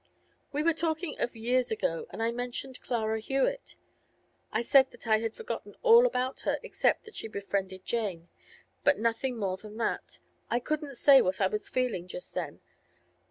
'We were talking of years ago, and I mentioned Clara Hewett. I said that I had forgotten all about her except that she'd befriended Jane. But nothing more than that. I couldn't say what I was feeling just then.